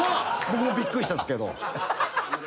僕もびっくりしたんですけど。